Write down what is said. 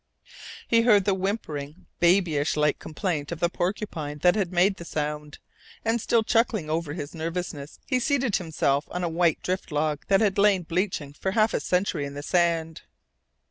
He heard the whimpering, babyish like complaint of the porcupine that had made the sound, and still chuckling over his nervousness he seated himself on a white drift log that had lain bleaching for half a century in the sand.